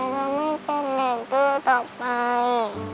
เราก็ไม่จะเนินจุดต่อไป